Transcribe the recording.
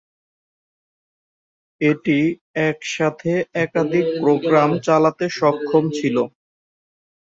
এটি এক সাথে একাধিক প্রোগ্রাম চালাতে সক্ষম ছিলো।